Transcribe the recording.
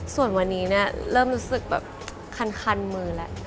ส่วนวันนี้เนี่ยเริ่มรู้สึกแบบคันมือแล้ว